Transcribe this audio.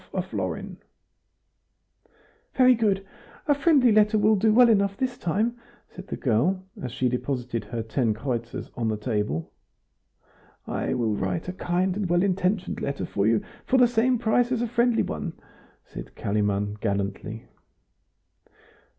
1/2 florin "Very good; a friendly letter will do well enough this time," said the girl, as she deposited her ten kreutzers on the table. "I will write a kind and well intentioned letter for you for the same price as a friendly one," said Kalimann, gallantly.